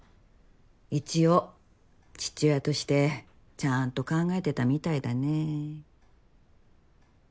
一応父親としてちゃんと考えてたみたいだね。